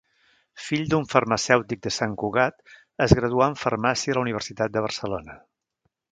Fill d'un farmacèutic de Sant Cugat, es graduà en farmàcia a la Universitat de Barcelona.